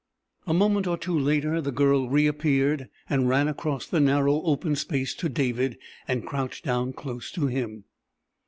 A moment or two later the Girl reappeared and ran across the narrow open space to David, and crouched down close to him.